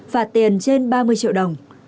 phạt tiền trên ba mươi triệu đồng